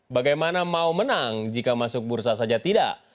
bagaimana mau menang jika masuk bursa saja tidak